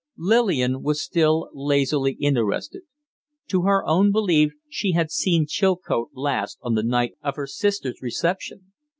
Lillian was still lazily interested. To her own belief, she had seen Chilcote last on the night of her sister's reception.